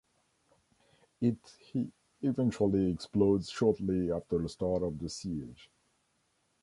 It/He eventually explodes shortly after the start of the siege.